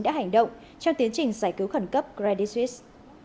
đã hành động trong tiến trình giải cứu khẩn cấp credit suisse